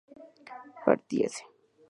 partiese